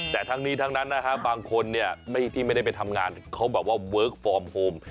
แต่ทั้งนี้ทั้งนั้นนะฮะบางคนเนี่ยที่ไม่ได้ไปทำงานเขาแบบว่าเวิร์คฟอร์มโฮม